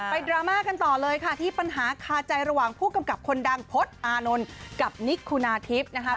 ดราม่ากันต่อเลยค่ะที่ปัญหาคาใจระหว่างผู้กำกับคนดังพจน์อานนท์กับนิกคุณาทิพย์นะครับ